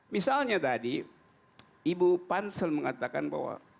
misalnya tadi ibu pansel mengatakan bahwa